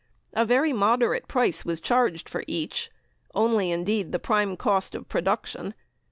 A very moderate price was charged for each, only indeed the prime cost of production.